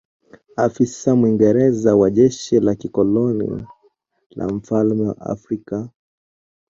Afisa Mwingereza wa jeshi la kikoloni la mfalme wa Afrika